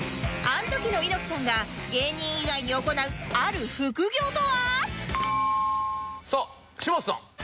アントキの猪木さんが芸人以外に行うある副業とは？